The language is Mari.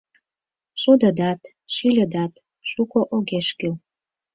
Шудыдат, шӱльыдат шуко огеш кӱл.